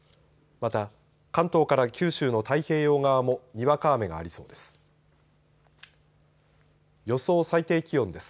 また、関東から九州の太平洋側もにわか雨がありそうです。